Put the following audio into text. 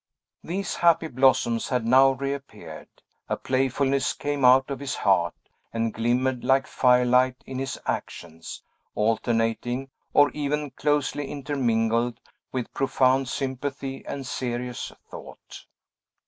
These happy blossoms had now reappeared. A playfulness came out of his heart, and glimmered like firelight in his actions, alternating, or even closely intermingled, with profound sympathy and serious thought.